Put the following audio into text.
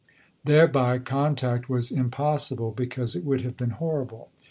Thereby contact was impossible because it would have been horrible.